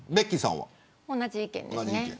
同じ意見です。